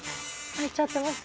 咲いちゃってる？